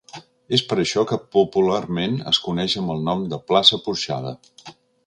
És per això que popularment es coneix amb el nom de Plaça Porxada.